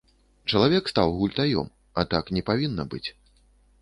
Чалавек стаў гультаём, а так не павінна быць.